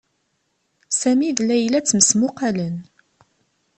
Sami d Layla ttmesmuqalen.